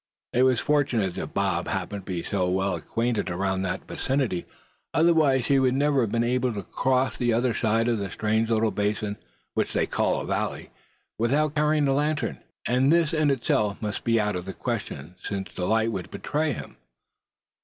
It was fortunate that Bob happened to be so well acquainted around that vicinity otherwise he would never have been able to cross to the other side of the strange little basin which they called a valley, without carrying a lantern; and this in itself must be out of the question, since its light would betray him.